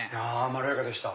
まろやかでした。